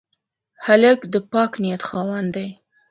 هلک د پاک نیت خاوند دی.